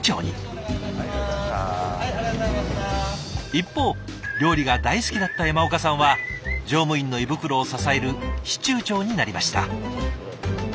一方料理が大好きだった山岡さんは乗務員の胃袋を支える司厨長になりました。